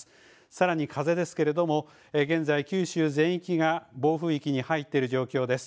さらに風ですけれども、現在、九州全域が暴風域に入っている状況です。